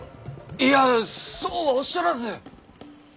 いいやそうおっしゃらず。